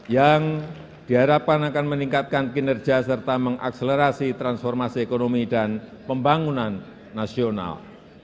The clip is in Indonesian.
yang diharapkan akan meningkatkan kinerja serta mengakselerasi transformasi ekonomi dan pembangunan nasional